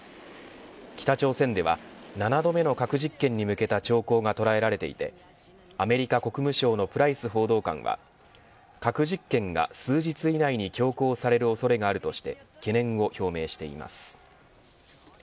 北朝鮮では７度目の核実験に向けた兆候がとらえられていてアメリカ国務省のプライス報道官は核実験が数日以内に強行される恐れがあるとして懸念を表明しています。